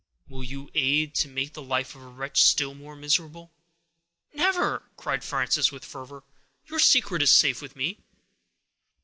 Will you aid to make the life of a wretch still more miserable?" "Never!" cried Frances, with fervor; "your secret is safe with me."